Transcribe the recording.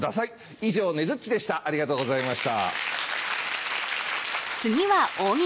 以上ねづっちでしたありがとうございました。